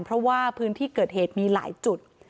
เพราะว่าพื้นที่เกิดเหตุมีหลายจุด